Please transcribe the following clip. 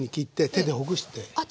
手でほぐして。